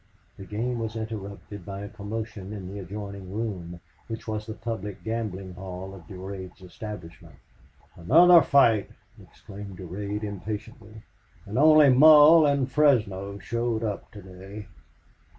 The game was interrupted by a commotion in the adjoining room, which was the public gambling hall of Durade's establishment. "Another fight!" exclaimed Durade, impatiently. "And only Mull and Fresno showed up to day."